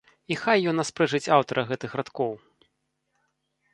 І хай ён аспрэчыць аўтара гэтых радкоў!